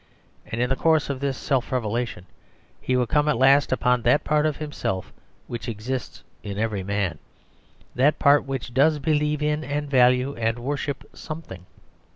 And in the course of this self revelation he would come at last upon that part of himself which exists in every man that part which does believe in, and value, and worship something.